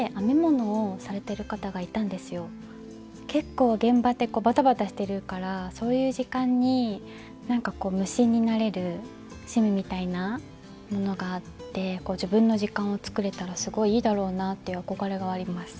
結構現場ってバタバタしてるからそういう時間になんかこう無心になれる趣味みたいなものがあって自分の時間を作れたらすごいいいだろうなっていう憧れがあります。